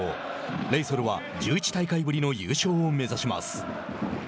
レイソルは１１大会ぶりの優勝を目指します。